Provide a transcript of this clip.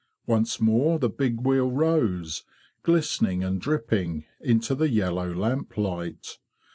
Once more the big wheel rose, glistening and dripping, into the yellow lamplight.